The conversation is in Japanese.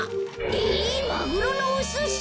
えっマグロのおすし！？